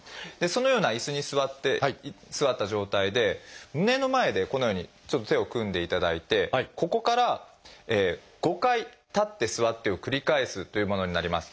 そのような椅子に座った状態で胸の前でこのようにちょっと手を組んでいただいてここから５回立って座ってを繰り返すというものになります。